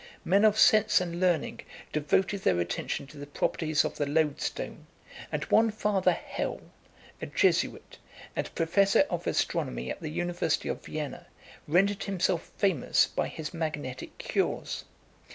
Men of sense and learning devoted their attention to the properties of the loadstone; and one Father Hell, a Jesuit, and professor of astronomy at the University of Vienna, rendered himself famous by his magnetic cures.